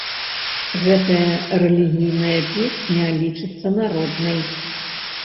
Гэтая рэлігійная песня лічыцца народнай.